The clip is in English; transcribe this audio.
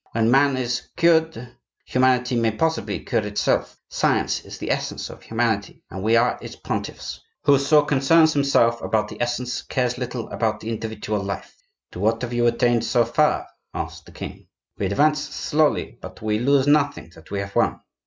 When man is cured, humanity may possibly cure itself. Science is the essence of humanity, and we are its pontiffs; whoso concerns himself about the essence cares little about the individual life." "To what have you attained, so far?" asked the king. "We advance slowly; but we lose nothing that we have won."